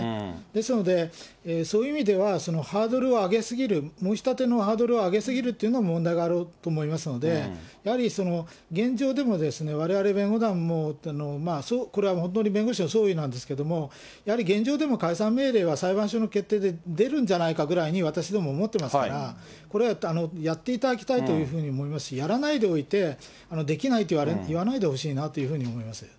ですので、そういう意味では、ハードルを上げ過ぎる、申し立てのハードルを上げすぎるっていうのも問題があると思いますので、やはり、現状でも、われわれ弁護団もこれは本当に弁護士の総意なんですけども、やはり現状でも解散命令は裁判所の決定で出るんじゃないかぐらいに、私ども思ってますから、これはやっていただきたいというふうに思いますし、やらないでおいて、できないと言わないでほしいなというふうに思います。